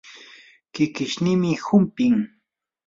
kikishniimi humpin.